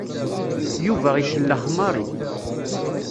Yuba ikellex Mary.